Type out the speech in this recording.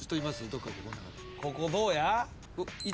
どっかここの中で。